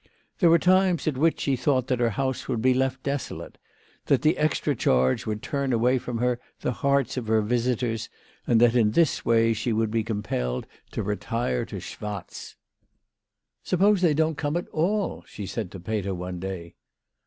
There were times at which she thought that her house would be left desolate, that the extra charge would turn away from her the hearts of her visitors, and that in this way she would be compelled to retire to Schwatz. "WHY FRAU FROHMANN RAISED HER PRICES. 93 " Suppose they don't come at all," she said to Peter one day.